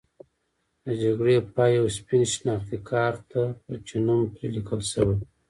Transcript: د جګړې پای یو سپین شناختي کارت دی چې نوم پرې لیکل شوی.